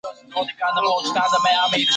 这是第六次在意大利举行赛事。